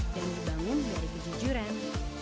dan dibangun dari kejujuran